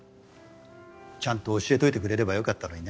ちゃんと教えといてくれればよかったのにね。